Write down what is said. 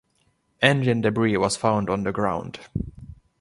Engine debris was found on the ground.